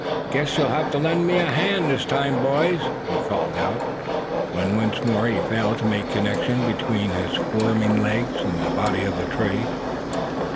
"Guess you'll have to lend me a hand this time, boys," he called out, when once more he failed to make connection between his squirming legs and the body of the tree.